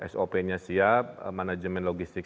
sop nya siap manajemen logistik